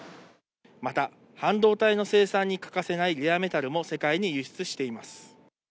また半導体の生産に欠かせないレアメタルも世界に輸出しています。